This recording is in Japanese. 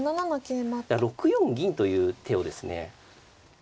いや６四銀という手をですね